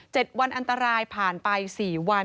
เจ็ดวันอันตรายผ่านไป๔วัน